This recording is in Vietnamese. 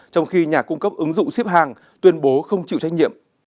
trong khi nhà cung cấp ứng dụng ship hàng tuyên bố không chịu trách nhiệm